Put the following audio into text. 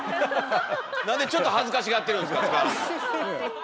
なんでちょっと恥ずかしがってるんですか塚原さん。